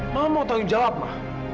mama mau tanggung jawab ma